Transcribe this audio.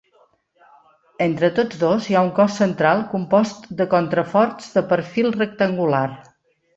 Entre tots dos, hi ha un cos central compost de contraforts de perfil rectangular.